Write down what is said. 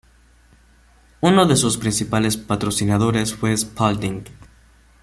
Uno de sus principales patrocinadores fue Spalding.